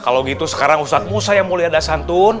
kalau gitu sekarang ustadzmu saya mau lihat dasantun